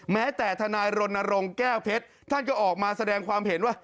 แม้แต่ทนายรณรงค์แก้วเพชรท่านก็ออกมาแสดงความเห็นว่า